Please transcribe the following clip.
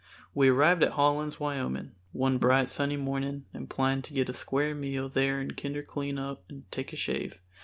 We arrived at Hawlins, Wyoming, one bright sunny morning and planned to get a square meal there and kinder clean up and take a shave.